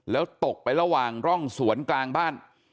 แล้วตกไประหว่างร่องสวนกลางบ้าน